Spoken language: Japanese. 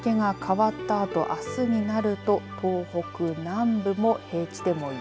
日付が変わったあとあすになると東北南部も平地でも雪。